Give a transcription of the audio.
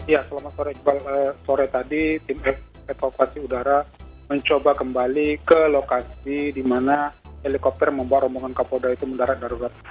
ya selamat sore iqbal sore tadi tim evakuasi udara mencoba kembali ke lokasi di mana helikopter membawa rombongan kapolda itu mendarat darurat